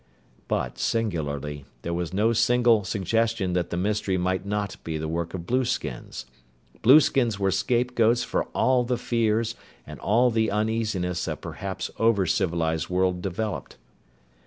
But, singularly, there was no single suggestion that the mystery might not be the work of blueskins. Blueskins were scape goats for all the fears and all the uneasiness a perhaps over civilized world developed.